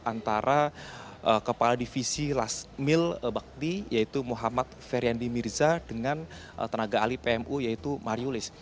antara kepala divisi last mil bakti yaitu muhammad feryandi mirza dengan tenaga ahli pmu yaitu mariulis